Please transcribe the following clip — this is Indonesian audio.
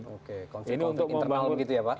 oke konsep konsep internal begitu ya pak